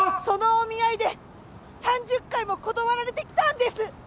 そのお見合いで３０回も断られてきたんです。